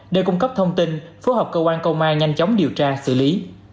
để cung cấp thông tin phối hợp cơ quan công an nhanh chóng điều tra xử lý